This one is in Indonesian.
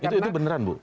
itu beneran bu